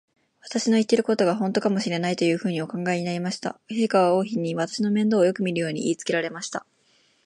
私たちの言ってることが、ほんとかもしれない、というふうにお考えになりました。陛下は王妃に、私の面倒をよくみるように言いつけられました。